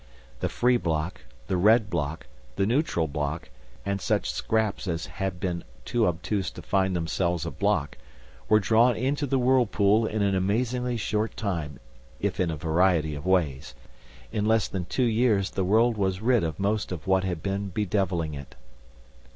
The Free Bloc, the Red Bloc, the Neutral Bloc and such scraps as had been too obtuse to find themselves a Bloc were drawn into the whirlpool in an amazingly short time, if in a variety of ways. In less than two years the world was rid of most of what had been bedeviling it.